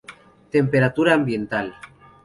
Temperatura ambiental.